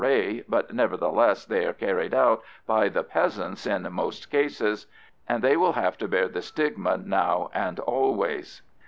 R.A., but nevertheless they are carried out by the peasants in most cases, and they will have to bear the stigma now and always.